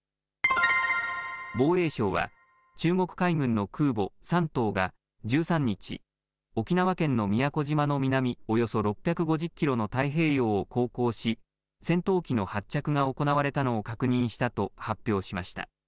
防衛省は中国海軍の空母、山東が１３日、沖縄県の宮古島の南およそ６５０キロの太平洋を航行し戦闘機の発着が行われたのを確認したと発表しました。